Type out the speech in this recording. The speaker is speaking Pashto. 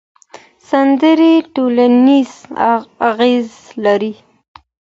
سندرې ټولنیز اغېز لري.